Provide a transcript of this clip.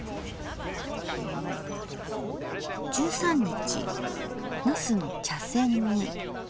１３日「茄子の茶せん煮」。